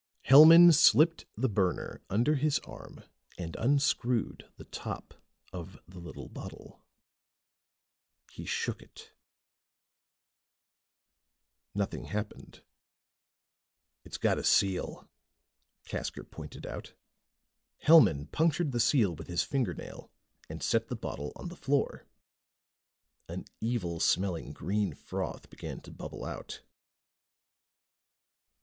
Hellman slipped the burner under his arm and unscrewed the top of the little bottle. He shook it. Nothing happened. "It's got a seal," Casker pointed out. Hellman punctured the seal with his fingernail and set the bottle on the floor. An evil smelling green froth began to bubble out.